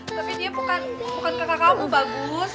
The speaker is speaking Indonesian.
tapi dia bukan kakak kamu bagus